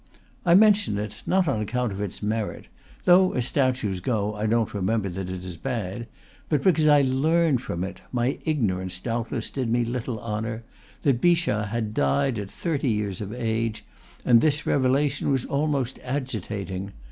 I mention it, not on account of its merit (though, as statues go, I don't remember that it is bad), but because I learned from it my ignorance, doubtless, did me little honor that Bichat had died at thirty years of age, and this revelation was almost agitating.